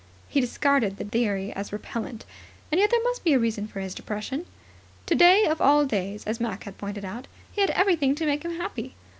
He discarded the theory as repellent. And yet there must be a reason for his depression. Today of all days, as Mac had pointed out, he had everything to make him happy.